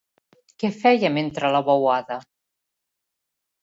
Què feia mentre la bouada?